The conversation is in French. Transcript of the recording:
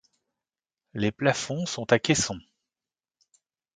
Les plafonds sont à caissons.